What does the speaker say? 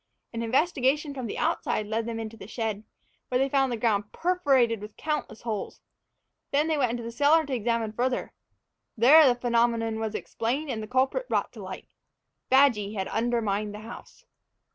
An investigation from the outside led them into the shed, where they found the ground perforated with countless holes. Then they went into the cellar to examine further. There the phenomenon was explained and the culprit brought to light. Badgy had undermined the house!